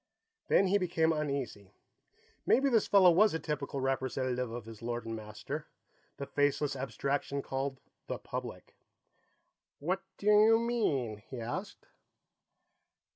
Then he became uneasy. Maybe this fellow was a typical representative of his lord and master, the faceless abstraction called the Public. "What do you mean?" he asked.